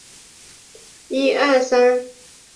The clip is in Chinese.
李奥波德与勒伯在芝加哥大学认识。